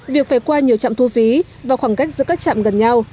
việc phải qua nhiều trạm thu phí và khoảng cách giữa các trạm gần nhau